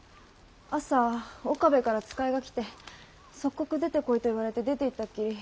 朝岡部から使いが来て即刻出てこいと言われて出ていったっきり